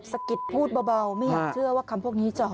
สะกิดพูดเบาไม่อยากเชื่อว่าคำพวกนี้จะหอ